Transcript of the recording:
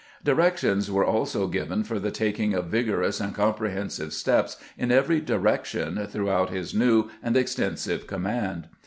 Directions were also given for the taking of vigorous and comprehensive steps in every direction throughout his new and extensive command.